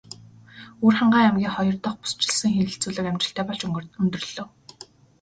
Өвөрхангай аймгийн хоёр дахь бүсчилсэн хэлэлцүүлэг амжилттай болж өндөрлөлөө.